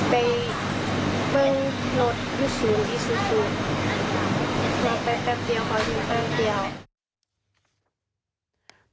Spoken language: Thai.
ไปเพิ่งรถยุทธ์ศูนย์อีซูฟุน